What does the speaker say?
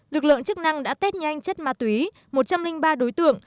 lực lượng chức năng đã test nhanh chất ma túy một trăm linh ba đối tượng